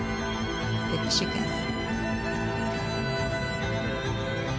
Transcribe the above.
ステップシークエンス。